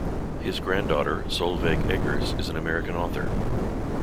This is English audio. His granddaughter, Solveig Eggerz is an American author.